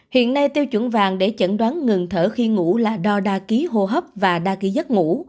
hiện nay tiêu chuẩn vàng để chẩn đoán ngừng thở khi ngủ là đo đa ký hô hấp và đa ký giấc ngủ